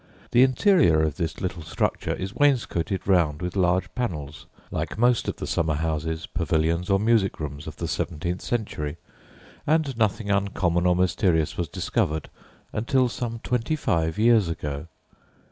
The interior of this little structure is wainscoted round with large panels like most of the summer houses, pavilions, or music rooms of the seventeenth century, and nothing uncommon or mysterious was discovered until some twenty five years ago.